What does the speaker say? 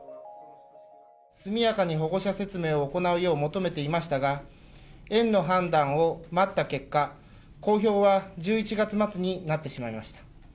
速やかに保護者説明を行うよう求めていましたが、園の判断を待った結果、公表は１１月末になってしまいました。